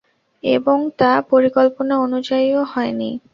এবং তা পরিকল্পনা অনুযায়ীও হয়নি।